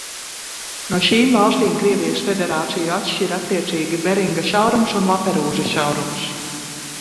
No šīm valstīm Krievijas Federāciju atšķir attiecīgi Beringa šaurums un Laperūza šaurums.